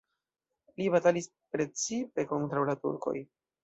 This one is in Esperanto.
Li batalis precipe kontraŭ la turkoj.